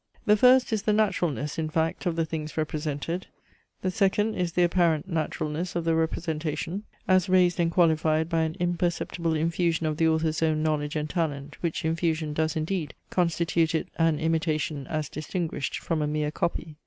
The first is the naturalness, in fact, of the things represented. The second is the apparent naturalness of the representation, as raised and qualified by an imperceptible infusion of the author's own knowledge and talent, which infusion does, indeed, constitute it an imitation as distinguished from a mere copy.